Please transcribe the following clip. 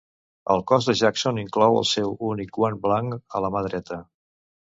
El cos de Jackson inclou el seu únic guant blanc a la mà dreta.